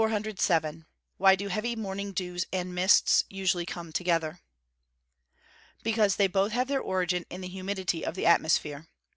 Why do heavy morning dews and mists usually come together? Because they both have their origin in the humidity of the atmosphere.